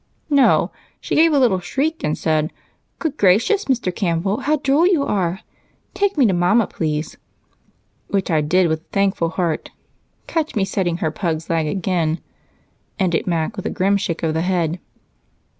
"No, she gave a little shriek and said, 'Good gracious, Mr. Campbell, how droll you are! Take me to Mama, please,' which I did with a thankful heart. Catch me setting her pug's leg again," ended Mac with a grim shake of the head.